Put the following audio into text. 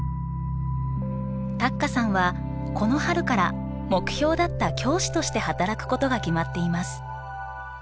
たっかさんはこの春から目標だった教師として働くことが決まっています。